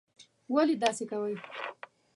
ولي داسې کوې?